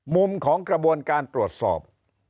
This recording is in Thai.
มุมของกระบวนการตรวจสอบ